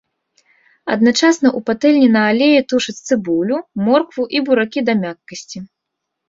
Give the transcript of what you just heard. Адначасна ў патэльні на алеі тушаць цыбулю, моркву і буракі да мяккасці.